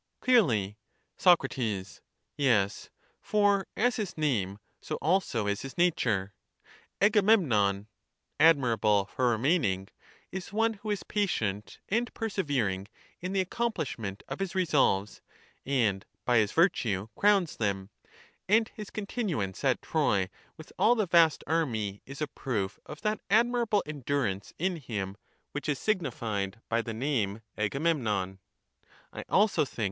Clearly. Soc. Yes, for as his name, so also is his nature ; Aga Agamemnon. memnon (admirable for remaining) is one who is patient and persevering in the accomplishment of his resolves, and by his virtue crowns them ; and his continuance at Troy with all the vast army is a proof of that admirable endurance in him which is signified by the name Agamemnon^ I also think Atreus.